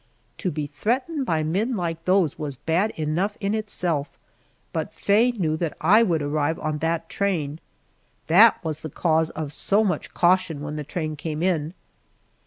To be threatened by men like those was bad enough in itself, but Faye knew that I would arrive on that train. That was the cause of so much caution when the train came in.